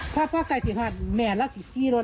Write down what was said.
พ่อพ่อใส่สิฮาดแม่แล้วก็ขี้รถ